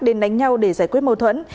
đến đánh nhau để giải quyết mâu thuẫn